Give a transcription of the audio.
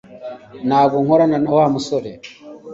Ntabwo nkorana na Wa musore